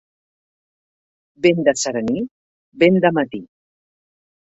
Vent de serení, vent de matí.